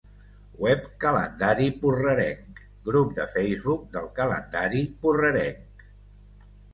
Web Calendari Porrerenc, Grup de Facebook del Calendari Porrerenc.